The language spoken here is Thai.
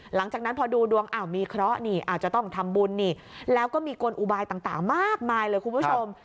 หลังจากนั้นพอดูดวงอ้าวมีเคราะห์นี่อาจจะต้องทำบุญนี่แล้วก็มีกลอุบายต่างมากมายเลยคุณผู้ชม